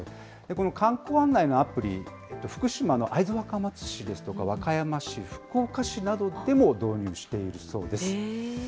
この観光案内のアプリ、福島の会津若松市ですとか、和歌山市、福岡市などでも導入しているそうです。